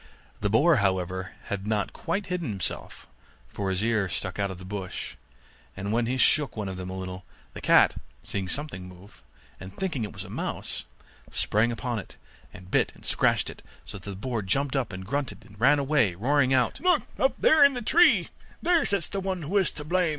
The boar, however, had not quite hidden himself, for his ears stuck out of the bush; and when he shook one of them a little, the cat, seeing something move, and thinking it was a mouse, sprang upon it, and bit and scratched it, so that the boar jumped up and grunted, and ran away, roaring out, 'Look up in the tree, there sits the one who is to blame.